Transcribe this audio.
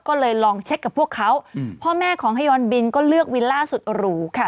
ก็เลยลองเช็คกับพวกเขาพ่อแม่ของฮายอนบินก็เลือกวิลล่าสุดหรูค่ะ